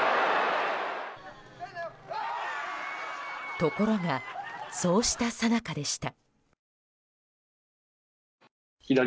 ところがそうしたさなかでした。